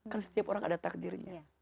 karena setiap orang ada takdirnya